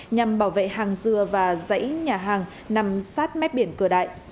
nhằm bảo vệ hàng dừa và dãy nhà hàng nằm sát mép biển cửa đại